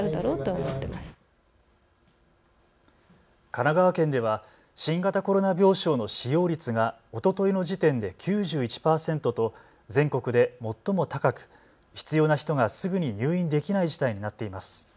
神奈川県では新型コロナ病床の使用率がおとといの時点で９１％と全国で最も高く、必要な人がすぐに入院できない事態になっています。